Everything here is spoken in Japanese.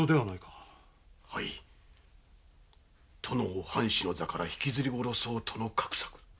はい殿を藩主の座から引きずり下ろそうとの画策。